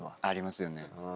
ありますよね。